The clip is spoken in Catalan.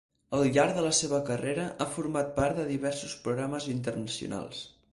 Al llarg de la seva carrera ha format part de diversos programes internacionals.